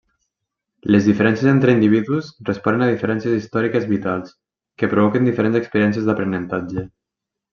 Les diferències entre individus responen a diferències històriques vitals que provoquen diferents experiències d'aprenentatge.